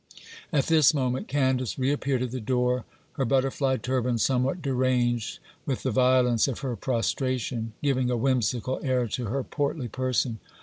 At this moment, Candace reappeared at the door, her butterfly turban somewhat deranged with the violence of her prostration, giving a whimsical air to her portly person.